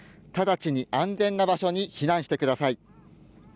直ちに安全な場所に避難してください。